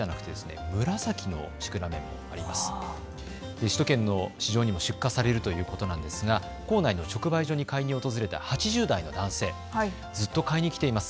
首都圏の市場にも出荷されるということですが校内の直売所に訪れた８０代の男性、ずっと買いに来ています。